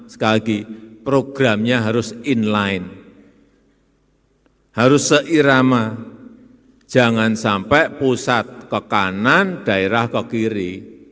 sekali lagi programnya harus inline harus seirama jangan sampai pusat ke kanan daerah ke kiri